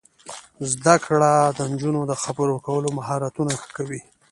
زده کړه د نجونو د خبرو کولو مهارتونه ښه کوي.